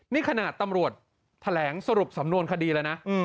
นี่ขนาดตำรวจแถลงสรุปสำนวนคดีแล้วนะ